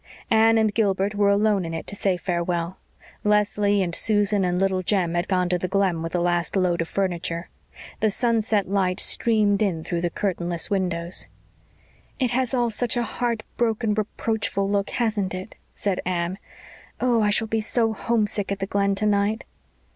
Anne and Gilbert were alone in it to say farewell. Leslie and Susan and Little Jem had gone to the Glen with the last load of furniture. The sunset light streamed in through the curtainless windows. "It has all such a heart broken, reproachful look, hasn't it?" said Anne. "Oh, I shall be so homesick at the Glen tonight!"